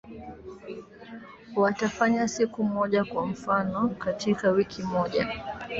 watafanya siku moja kwa mfano katika wiki moja